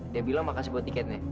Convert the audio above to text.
dia bilang makasih buat tiketnya